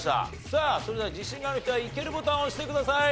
さあそれでは自信がある人はイケるボタンを押してください。